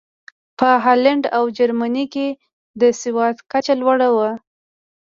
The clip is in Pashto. په هالنډ او جرمني کې د سواد کچه لوړه وه.